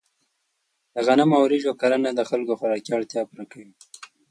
د غنمو او وریجو کرنه د خلکو خوراکي اړتیا پوره کوي.